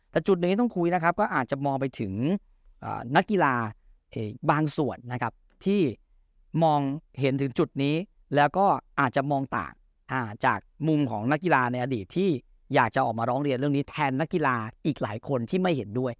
แต่จุดหนึ่งที่ต้องคุยนะครับก็อาจจะมองไปถึงนักกีฬาอีกบางส่วนนะครับที่มองเห็นถึงจุดนี้แล้วก็อาจจะมองต่างจากมุมของนักกีฬาในอดีตที่อยากจะออกมาร้องเรียนเรื่องนี้แทนนักกีฬาอีกหลายคนที่ไม่เห็นด้วย